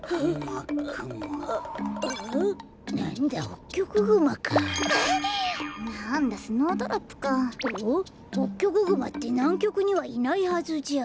ホッキョクグマってなんきょくにはいないはずじゃ。